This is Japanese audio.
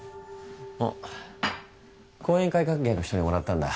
あっ後援会関係の人にもらったんだ。